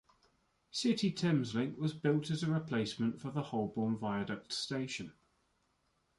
City Thameslink was built as a replacement for the Holborn Viaduct station.